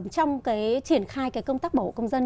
trong triển khai công tác bảo hộ công dân